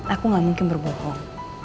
aku gak mungkin berbohong